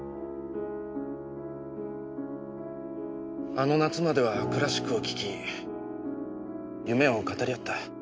あの夏まではクラシックを聞き夢を語り合った。